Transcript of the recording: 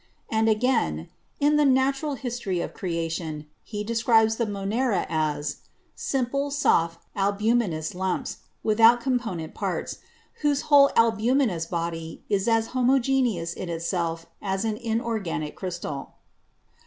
And again, in 'The Natural History of Creation/ he describes the Monera as "simple, soft, albuminous lumps ... without component parts, whose whole albuminous body is as homogeneous in itself as an inorganic crystal."